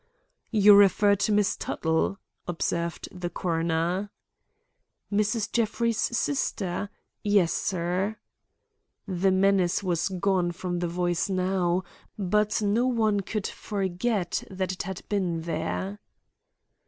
"You refer to Miss Tuttle?" observed the coroner. "Mrs. Jeffrey's sister? Yes, sir." The menace was gone from the voice now, but no one could forget that it had been there.